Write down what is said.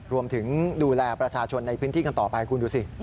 ดูแลประชาชนในพื้นที่กันต่อไปคุณดูสิ